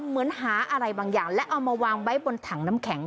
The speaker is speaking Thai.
เหมือนหาอะไรบางอย่างและเอามาวางไว้บนถังน้ำแข็ง